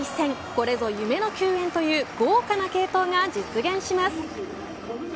これぞ夢の球宴という豪華な継投が実現します。